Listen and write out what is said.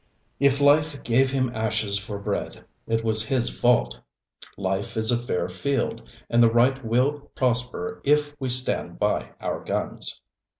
If Life gave him ashes for bread, it was his fault. Life is a fair field, and the right will prosper if we stand by our guns.